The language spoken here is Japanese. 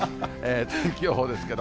天気予報ですけど。